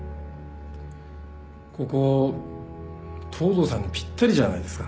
ここ東堂さんにぴったりじゃないですか。